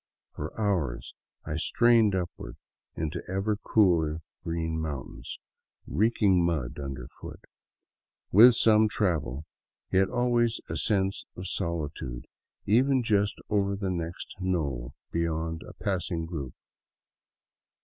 For hours I strained upward into ever cooler, green mountains, reeking mud underfoot, with some travel, yet always a sense of soli tude, even just over the next knoll beyond a passing group.